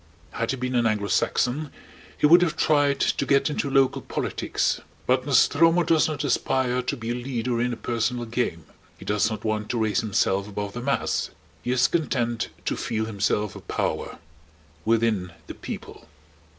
Had he been an Anglo Saxon he would have tried to get into local politics. But Nostromo does not aspire to be a leader in a personal game. He does not want to raise himself above the mass. He is content to feel himself a power within the People.